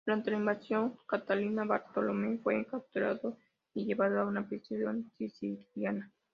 Durante la invasión catalana, Bartolomeo fue capturado y llevado a una prisión siciliana.